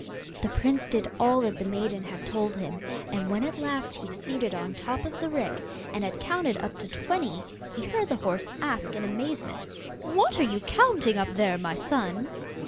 The prince did all that the maiden had told him, and when at last he was seated on top of the rick, and had counted up to twenty, he heard the horse ask in amazement: 'What are you counting up there, my son?